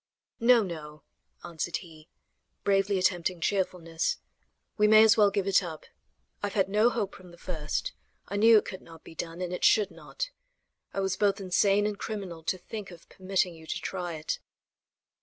"No, no," answered he, bravely attempting cheerfulness; "we may as well give it up. I have had no hope from the first. I knew it could not be done, and it should not. I was both insane and criminal to think of permitting you to try it."